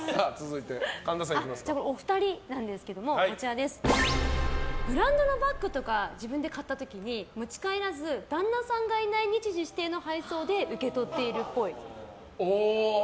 お二人なんですけどブランドのバッグとか自分で買った時に持ち帰らず旦那さんがいない日時指定の配送で受け取っているっぽい。